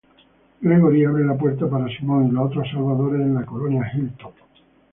Gregory abre la puerta para Simon y los otros salvadores en la colonia Hilltop.